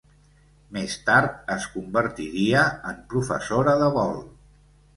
Més tard es convertiria en professora de vol.